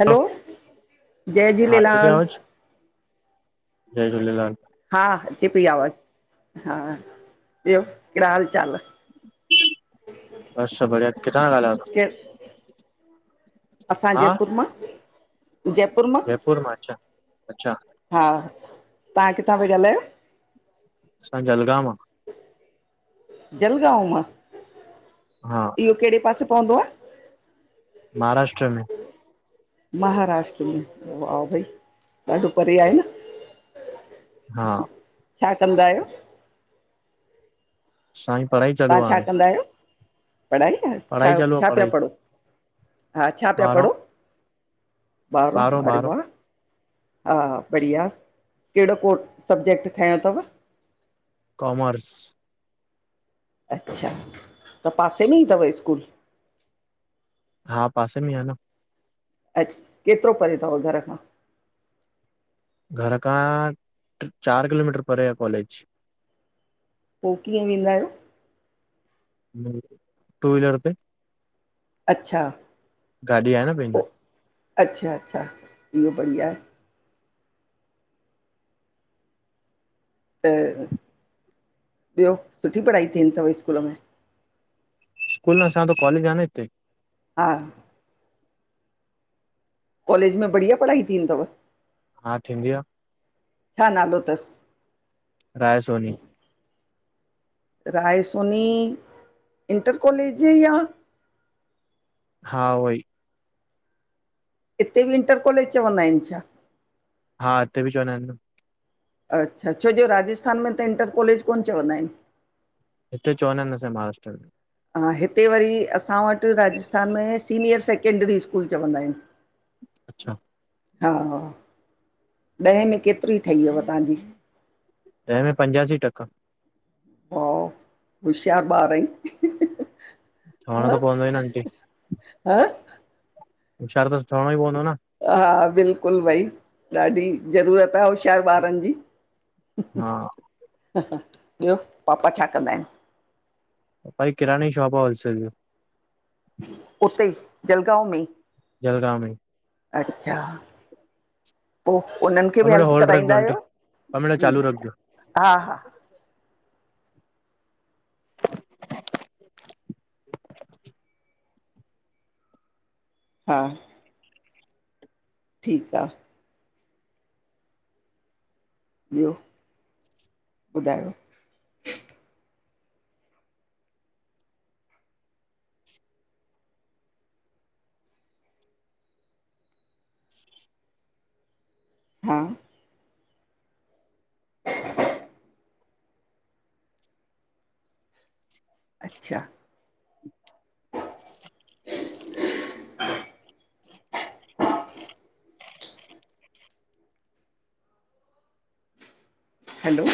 Hello जय अचे थी झूलेलाल आवाज जय झूलेलाल। हा अचे पइ आवाज़ु हा ॿियो कहिड़ा हाल चाल? असां बढ़िया किथां था ॻालायो केर त्वहां असां जयपुर मां जयपुर मां जयपुर मां अच्छा अच्छा हा तव्हां किथां पिया ॻाल्हायो? असां जलगांव जलगांव मां? हा इहो कहिड़े पासे पवंदो आहे? महाराष्ट्र में। महाराष्ट्र में वाह भई ॾाढो परे आहे न? हा छा कंदा आहियो? [unintelligible] छाई पढाई जा तव्हां छा कंदा आहियो? पढ़ाई आहियो पढ़ाई छा चालू आ छा पिया पढ़ाई, पढ़ो? हा छा पिया ॿारहों पढ़ो? ॿारहो ॿारहों अरे ॿारहों वाह हा बढ़िया कहिड़ो को सब्जेैक्ट खयो अथव? कॉमर्स अच्छा त पासे में ई अथव स्कूल? हा पासे में ई आहे न। अछ्छ केतिरो परे तव घर खां। घर खां ट्र चार किलोमीटर परे आहे कॉलेज। पोइ कीअं वेंदा आहियो? टू वीलर ते अच्छा गाॾी आहे न पंहिंजी, ओ अच्छा अच्छा इहो बढ़िया आहे। त ॿियो सुठी पढ़ाई थींदी तव स्कूल में? स्कूल न असां त कॉलेज आ न हिते। हा कॉलेज में बढ़िया पढ़ाई थींदी तव? हा थींदी आ। छा नालो तस। राय सोनी। राय सोनी इंटर कॉलेज यां? हा उहोई। इते बि इंटर कॉलेज चवंदा आहिनि छा? हा हिते बि चवंदा आहिनि न। अच्छा छो जो राजस्थान में त इंटर कॉलेज कोन चवंदा आहिनि। हिते चवंदा आहिनि असांजे महाराष्ट्र में। अन हिते वरी असां वटि राजस्थान में सीनियर सैकेंड्ररी स्कूल चवंदा आहिनि। अच्छा। हा ॾहें में केतिरी ठहीयव तव्हांजी? ॾहे पंजासी टका। ओ होशियार ॿार आईं चवणो हां? त पवंदो ई न आंटी हां। होशियारू त ठहणो ई पवंदो न। हा बिल्कुलु भई ॾाढी ज़रूरत आ होशियारु ॿारनि जी। हा ॿियो पापा छा कंदा आहिनि? पपा ई किराने शॉप ओ होलसेल जो। उते ई जलगांव में ई। जलगांव में ई। अच्छा पो उननि खे ॿ बि मिंट हेल्प होल्ड रखिजो कराईंदा आंटी आहियो ॿ मिंट हुं चालू रखिजो हा हा। हा‌ ठीकु आ। ॿियो ॿुधायो? हां अच्छा! [unintelligible] हलो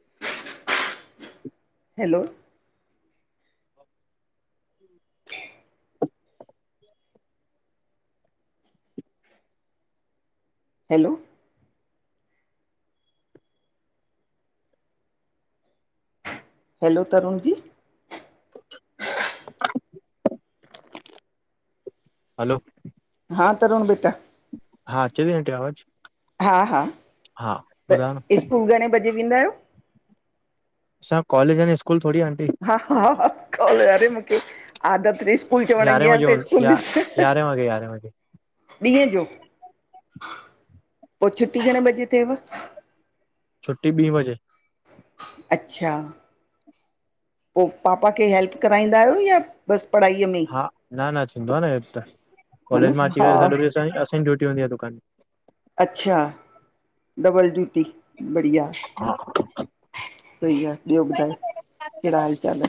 हा [inaudible] hello [unintelligible] hello? Hello Tarun ji? Hello! हाँ तरूण बेटा? हा, अचे पई आंटी आवाज? हा हा त स्कूल घणे बजे वेंदा आहियो? असांजो कॉलेज आं न, स्कूल थोड़ी आंटी? हा हा हा कॉल, अरे मूंखे आदत ॾिस स्कूल चवणु जी यारहें आ बजे त हूंदो स्कूल या यारहें वॻे यारहें वॻे ॾींहुं जो, पोइ छुट्टी घणे बजे थेव? छुट्टी ॿी वजे। अच्छा! पोइ पापा खे हैेल्प कराईंदा आहियो या बसि पढ़ाईअ में? हा न न थींदो आ न हे त, ह न कॉलेज मां अची हा करे सॼो ॾींहुं असांजी, असांजी ड्यूटी हूंदी आ दुकान अच्छा! डबल ड्यूटी, बढ़िया। हा सही आ, ॿियों ॿुधायो, केहिड़ा हाल चाल?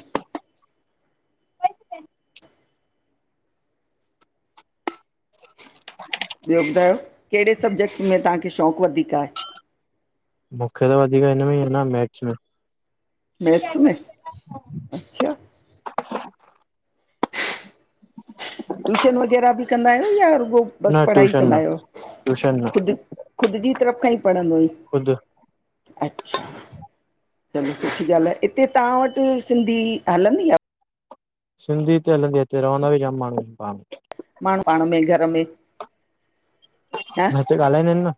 ॿियो ॿुधायो, केहिड़े सब्जेक्ट में तव्हांखे शौंक़ु वधीक आहे? मूंखे त वधीक हिनु में ईं आ न, मैथ्स में। मैथ्स में, अच्छा? ट्यूशन वग़ैरह बि कंदा आहियो या रुगो बसि न पढ़ाई ट्यूशन कंदा न आहियो? ट्यूशन न खुदि खुदि जी तरफ़ खां ई पढ़ंदो हुअईं? ख़ुदि अच्छा! चलो सुठी ॻाल्हि आहे, हिते तां वटि सिंधी हलंदी आ? सिंधी हिते हलंदी आ, हिते रहंदा बि जाम माण्हूं आहिन पाण। माण्हूं पाण में, घर में हा न हिते ॻाल्हाईंदां आहिन न‌।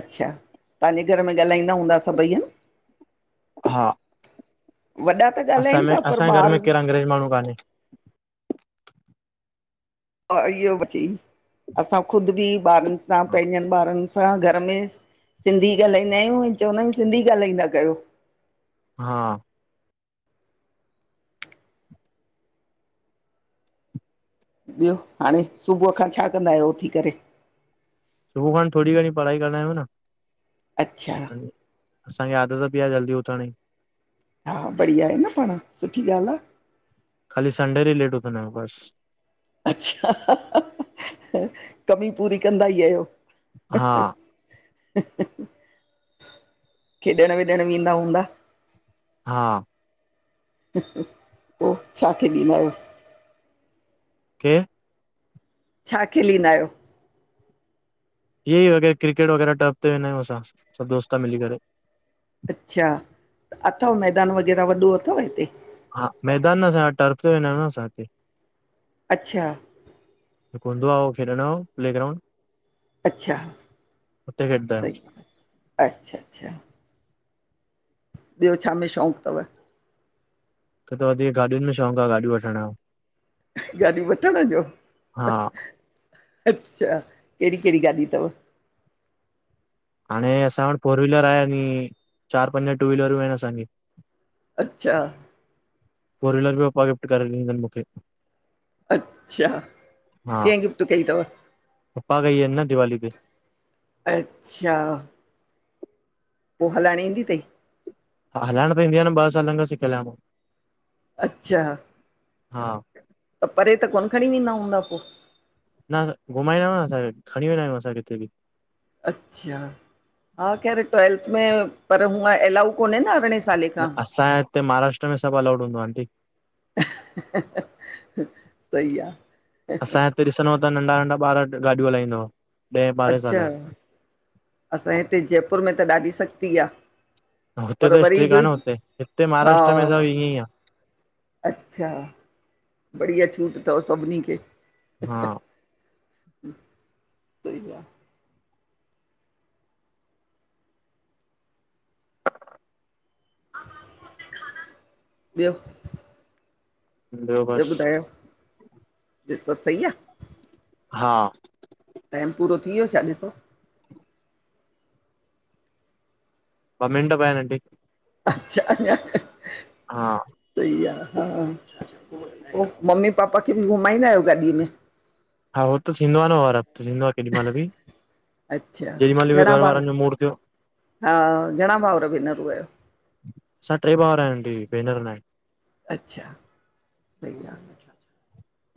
अच्छा! तहांजे घर में ॻाल्हाईंदा हूंदा सभई हन? हा वॾा त असां ॻाल्हाइनि में तां, पर असांजे घर ॿार में केरु अंग्रेज माण्हुं काने। इहोई [unintelligible] असां ख़ुदि बि ॿारनि सां, हा पंहिंजनि ॿारनि असां घर में सिंधी ॻाल्हाईंदा आहियूं, ऐं चवंदा आहियूं सिंधी ॻाल्हाईंदा कयों। हा ॿियो हाणे, सुबुह खां छा कंदा आहियों उथी करे? सुबुह खनि थोरी घणी पढ़ाई कंदा आहियूं न। अच्छा! असांखे आदत बि आहे, जल्दी उथण जी। हा बढ़िया आहे न पाण, सुठी ॻाल्हि आ। खाली संडे ॾिहुं लेट उठिंदा आहियूं बस। अच्छा! कमी पूरी कंदा ई आहियों। हा खेॾण वेॾण वेंंदा हूंदा? हा पोइ छा खेॾींदां आहियो? खेॾ छा खेलींदा आहियो? इएं वगैरह क्रिकेट वगैरह टेप ते वेंदा आहियूं असां सभु दोस्त मिली करे। अच्छा, अथव मैदान वग़ैरह वॾो अथव हिते? हा मैदान असां टर्फ ते वेदां आहियू कहां हितेश। अच्छा हिते हूंदा आहे खेॾण जो प्लेग्राउंड। अच्छा हुते खेॾंदा आहियूं सही अच्छा अच्छा अच्छा। ॿियो छा में शौंक़ु तव? त वधीक गाॾियुनि में शौक़ु आहे गाॾियूं वठण जो [unintelligible] गाॾी वठण जो हा अछा कहिड़ी कहिड़ी गाॾी अथव? हाणे असां वटि फोर व्हीलर आहे चार पंज टू व्हीलर बि आहिनि असांजूं। अछा। फोर व्हीलर बि पपा गिफ्ट करे ॾिनीथन मूंखे। अच्छा हा कैं गिफ़्ट कई तव? पप्पा कई अहिन न दीवाली पे। अच्छा। पो हलाइण ईंदी तई। हलायण त इंदी आ न ॿ सालन खांह सिखयल मां। अच्छा। हा त परे त कोन खणी वेंदा हूंदा पो। न घुमाईंद आहियूं न असां खणी वेंदा आहियूं असां किथे बि। अच्छा हा ख़ैर ट्वेल्थ में पर हूअ एलाउ कोने न अरणहें न असांजे हिते महाराष्ट्र में सभु अलाउड हूंदो आ आंटी। सई आ। असांजे हिते ॾिसदौ त नंढा नंढा ॿार गाॾियूं हलाईंदव ॾहें ॿारहें साले अच्छा जा। असांजे हिते जयपुर में त ॾाढी सख़्ती आ। हुते पर त वरी स्ट्रिक बि आहे न हुत्ते हिते हा महाराष्ट्र में त ईअं ई आ। अच्छा बढ़िया छूट तव सभिनी खें। हा। सही आ। ॿियो? ॿियो ॿुधायो ॿियो सभु सही आ। हा। टाइम पूरो थी वियो छा ॾिसो? ॿ मिंट पिया आहिनि अंटी। अच्छा। हा सई आ हा पो मम्मी पापा खे बि घुमाईंदा आहियो गाॾीअ में? हा हू त थींदो आह न और हफ्त थींदो आ केॾी महिल बि अच्छा जेॾी महिल बि घणा घर भाउ वारनि जो मूड थियो। हा घणा भाउर भेनरूं आहियो? सा ट्रे भावउर आंटी भेनर नांए। अच्छा सही आहे।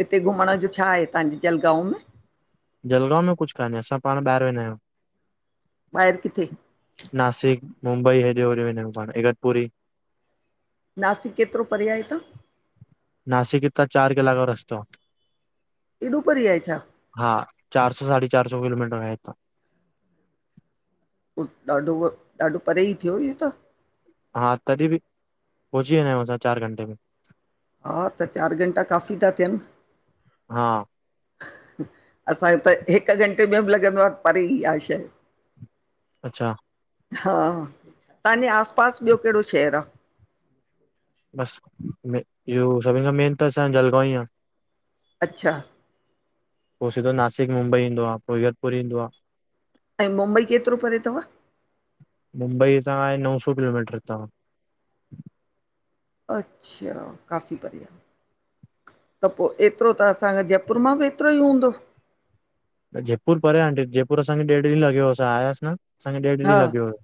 हिते घुमण जो छा आहे तव्हांजे जलगांव में? जलगांव में कुझ काने असां पाण ॿाहिरि वेंदा आहियूं। ॿाहिर किथे नासिक मुंबई हेॾे होॾे वेंदा आहियूं पाण इगतपुरी नासिक केतिरो परे आहे हितां नासिक हितां चार कलाकु जो रस्तो आ एॾो परे आहे छा हा चार सौ सढी चार सौ किलोमीटर आहे हितां ॾाढो उहो ॾाढो परे ई थियो ईहो त हा तॾहिं बि पहुंची वेंदा आहियूं असां चारि घंटे में हा त चारि घंटा काफ़ी था थियनि हा असांखे त हिकु घंटे में बि लॻंदो आहे परे ई आहे शइ [inaudible] अच्छा हा तव्हांजे आस पास ॿियो कहिड़ो शहरु आहे बसि इहो सभिनि खां मेन त असांजो जलगांव ई आ अच्छा पोइ सिधो नासिक मुंबई ईंदो आहे पोइ इगतपुर ईंदो आ ऐं मुंबई केतिरो परे तव मुंबई हितां आहे नौ सौ किलोमीटर तव अच्छा काफ़ी परे आ त पोइ एतिरो त असांजे जयपुर मां बि एतिरो ई हूंदो जयपुर परे आहे आंटी जयपुर असांखे ॾेढ ॾींहुं लॻियो असां आयासीं न असांखे ॾेढु ॾींहुं हा लॻियो हो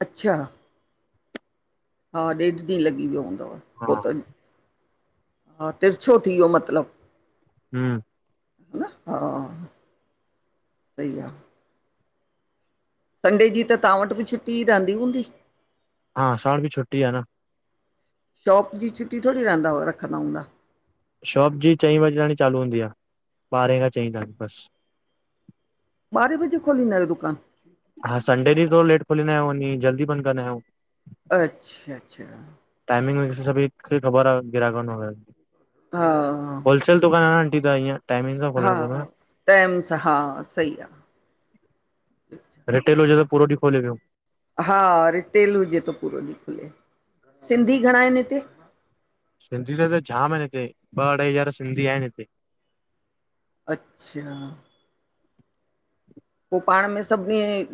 अच्छा हा ॾेढ ॾींहुं लॻी वियो हूंदव पोइ हा त हा तिरछो थी वियो मतिलबु हम्म हा सही आ संडे जी त तव्हां वट बि छुटी ई रहंदी हूंदी हा असां वट बि छुटी आ न शॉप जी छुटी थोरी रहंदा हो रखंदा हूंदा शॉप जी चईं बजे ताणी चालू हूंदी आ ॿारहें खां चईं ताई बसि ॿारहें बजे खोलिंदा आहियो दुकान हा संडे ॾींहुं थोरो लेट खोलिंदा आहियूं वञी जल्दी बंदि कंदा आहियूं अच्छा अच्छा टाइमिंग जी सभिन खे ख़बर आ गिराकनि वगैरह हा हा होलसेल दुकान आ न आंटी त इअं हा हा टाइमु सां हा सही आ रिटेल हुजे त पूरो ॾींहुं खोले वेयो हा रिटेल हुजे त पूरो ॾींहुं खुले सिंधी घणा आहिनि हिते सिंधी त हिते जाम आहिनि हिते ॿ अढाई हज़ार सिंधी आहिनि हिते अच्छा पोइ पाण में सभु ईंय